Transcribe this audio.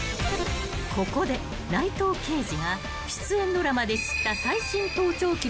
［ここで内藤刑事が出演ドラマで知った最新盗聴器の恐ろしさを語る］